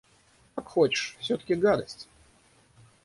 Как хочешь, всё- таки гадость!